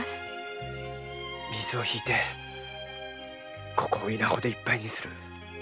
水を引いてここを稲穂でいっぱいにする。